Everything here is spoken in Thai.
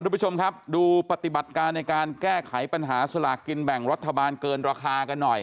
ทุกผู้ชมครับดูปฏิบัติการในการแก้ไขปัญหาสลากกินแบ่งรัฐบาลเกินราคากันหน่อย